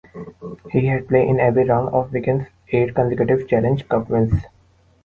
He had played in every round of Wigan's eight consecutive Challenge Cup wins.